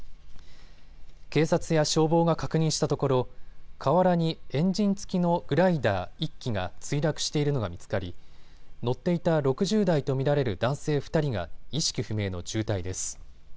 警察や消防が確認したところ河原にエンジン付きのグライダー１機が墜落しているのが見つかり乗っていた６０代と見られる男性２人が意識不明の重体です。